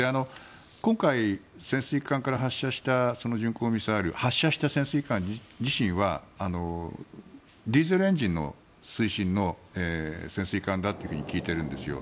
今回、潜水艦から発射した巡航ミサイル発射した潜水艦自身はディーゼルエンジンの推進の潜水艦だと聞いているんですよ